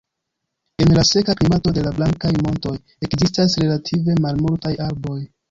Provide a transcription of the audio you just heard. En la seka klimato de la "Blankaj montoj" ekzistas relative malmultaj arboj.